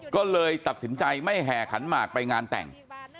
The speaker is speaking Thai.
ก็เลยตัดสินใจไม่แห่ขันหมากไปงานแต่ง